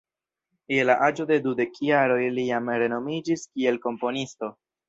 Je la aĝo de dudek jaroj li jam renomiĝis kiel komponisto.